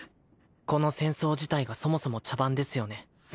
この戦争自体がそもそも茶番ですよね？